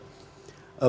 saya kasih contoh